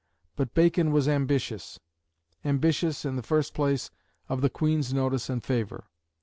But Bacon was ambitious ambitious, in the first place, of the Queen's notice and favour.